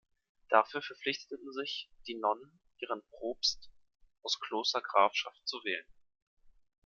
Dafür verpflichteten sich die Nonnen, ihren Propst aus Kloster Grafschaft zu wählen.